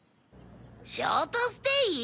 ショートステイ？